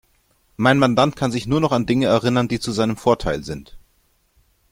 Mein Mandant kann sich nur noch an Dinge erinnern, die zu seinem Vorteil sind.